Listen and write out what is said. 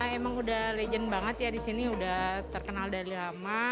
emang udah legend banget ya di sini udah terkenal dari lama